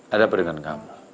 ada apa dengan kamu